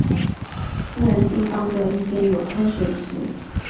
私人地方的一边有喷水池。